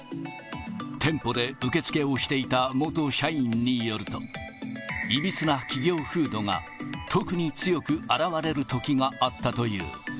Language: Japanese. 店舗で受付をしていた元社員によると、いびつな企業風土が特に強く表れるときがあったという。